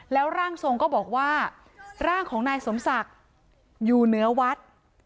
แล้วร่างทรงก็บอกว่าร่างของนายสมศักดิ์อยู่เหนือวัด